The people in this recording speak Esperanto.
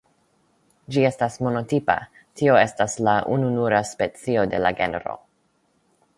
Ĝi estas monotipa, tio estas la ununura specio de la genro.